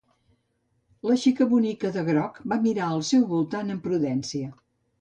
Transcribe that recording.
La xica bonica de groc va mirar al seu voltant amb prudència.